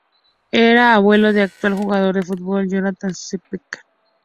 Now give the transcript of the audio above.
Era abuelo del actual jugador de fútbol Jonathan Spector.